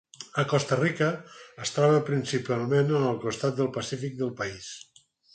A Costa Rica, es troba principalment en el costat del Pacífic del país.